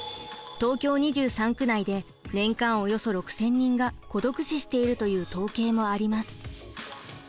東京２３区内で年間およそ６，０００人が孤独死しているという統計もあります。